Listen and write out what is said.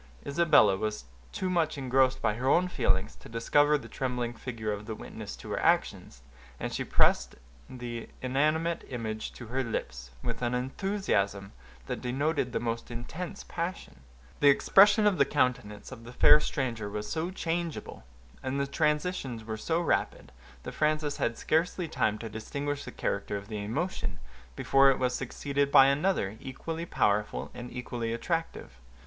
Isabella was too much engrossed by her own feelings to discover the trembling figure of the witness to her actions, and she pressed the inanimate image to her lips, with an enthusiasm that denoted the most intense passion. The expression of the countenance of the fair stranger was so changeable, and the transitions were so rapid, that Frances had scarcely time to distinguish the character of the emotion, before it was succeeded by another, equally powerful and equally attractive.